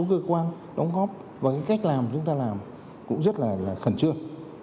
các cơ quan đóng góp và cách làm chúng ta làm cũng rất là khẩn trương